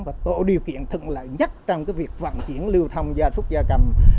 và tổ điều kiện thân lợi nhất trong việc vận chuyển lưu thông gia súc gia cầm